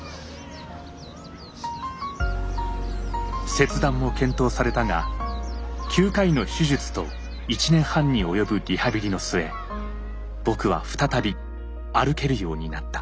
切断も検討されたが９回の手術と１年半に及ぶリハビリの末僕は再び歩けるようになった。